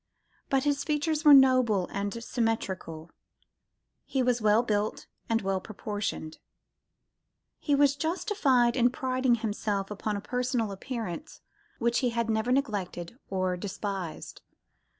But his features were noble and symmetrical; he was well built and well proportioned; and he was justified in priding himself upon a personal appearance which he had never neglected or despised.